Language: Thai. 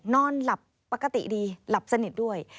นอนหลับปกติดีหลับสนิทด้วย